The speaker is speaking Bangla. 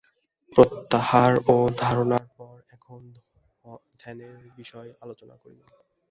প্রত্যাহার ও ধারণার পর, এখন ধ্যানের বিষয় আলোচনা করিব।